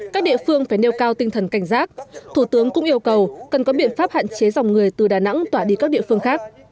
các địa phương phải nêu cao tinh thần cảnh giác thủ tướng cũng yêu cầu cần có biện pháp hạn chế dòng người từ đà nẵng tỏa đi các địa phương khác